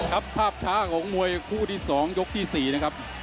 ครับภาพช้าของมวยคู่ที่๒ยกที่๔นะครับ